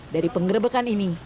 dari pengerebekan ini